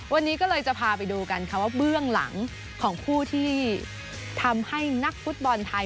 วันนี้ก็เลยจะพาไปดูกันค่ะว่าเบื้องหลังของผู้ที่ทำให้นักฟุตบอลไทย